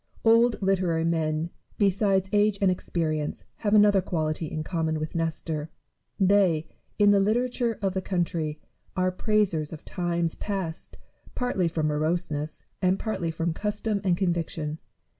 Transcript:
Old literary men, beside age and experience, have another quality in common with Nestor : they, in the literature of the coun try, are praisers of times past, partly from moroseness, and partly from custom and conviction.